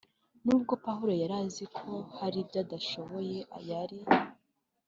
Nubwo Pawulo yari azi ko hari ibyo adashoboye yari